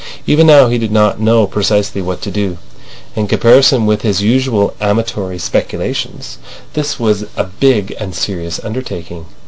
Even now he did not know precisely what to do. In comparison with his usual amatory speculations this was a big and serious undertaking.